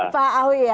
pak awi ya